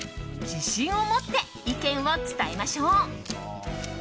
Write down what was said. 自信を持って意見を伝えましょう。